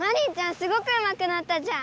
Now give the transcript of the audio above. すごくうまくなったじゃん！